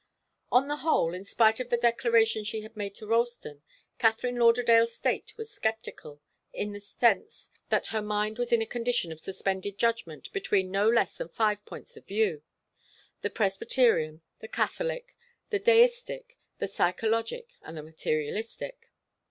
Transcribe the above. On the whole, in spite of the declaration she had made to Ralston, Katharine Lauderdale's state was sceptical, in the sense that her mind was in a condition of suspended judgment between no less than five points of view, the Presbyterian, the Catholic, the deistic, the psychologic, and the materialistic.